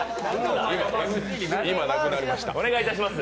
今なくなりました。